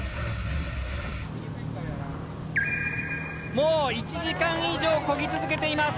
もう１時間以上こぎ続けています。